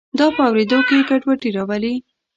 دا په اوریدو کې ګډوډي راولي.